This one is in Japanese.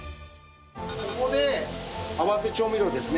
ここで合わせ調味料ですね。